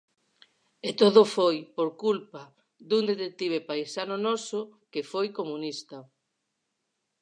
E todo foi por culpa dun detective paisano noso que foi comunista...